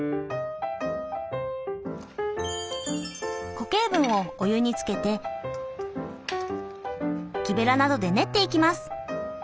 固形分をお湯につけて木べらなどで練っていきます。